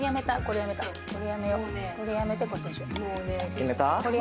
決めた？